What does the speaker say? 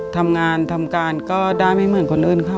ทำงานทำการก็ได้ไม่เหมือนคนอื่นค่ะ